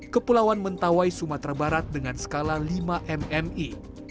kepulauan mentawai sumatera barat dengan skala lima mmi